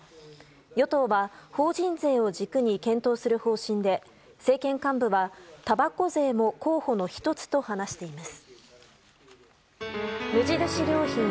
与党は法人税を軸に検討する方針で政権幹部は、たばこ税も候補の１つと話しています。